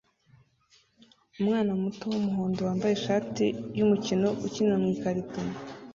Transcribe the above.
Umwana muto wumuhondo wambaye ishati yumukino ukina mukarito